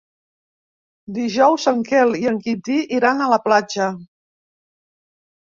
Dijous en Quel i en Quintí iran a la platja.